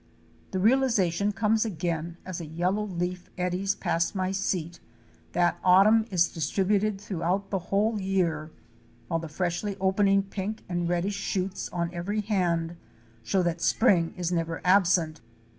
'' The realization comes again, as a yellow leaf eddies Fic. 129. AERIAL Roots OF BUSH ROPE. past my seat, that autumn is distributed throughout the whole year, while the freshly opening pink and reddish shoots on every hand show that spring is never absent.